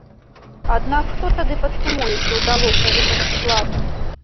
Аднак хто тады падсумуе, ці ўдалося выканаць план?